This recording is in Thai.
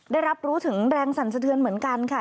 ได้รับรู้ถึงแรงสั่นสะเทือนเหมือนกันค่ะ